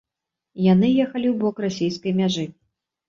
Яны ехалі ў бок расійскай мяжы.